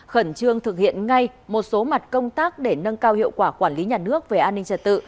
khẩn trương thực hiện ngay một số mặt công tác để nâng cao hiệu quả quản lý nhà nước về an ninh trật tự